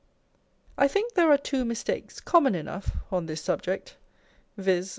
I think there are two mistakes, common enough, on this subject â€" viz.